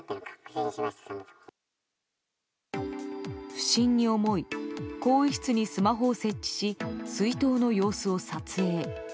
不審に思い更衣室にスマホを設置し水筒の様子を撮影。